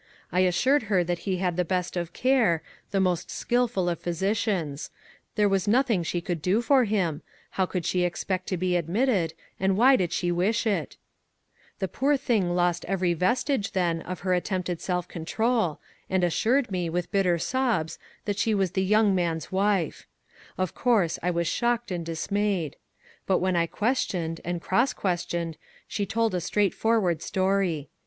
I assured her that he had the best of care, the most skilful of physicians; there was nothing she could do for him, how could she expect to be admitted, and why did she wish it ? The poor young thing lost every vestige, then, of her attempted self control, and assured me, with bitter sobs, that she was the young man's wife! Of course, I was shocked and dismayed. But when I questioned, and cross questioned, she told a straightforward story.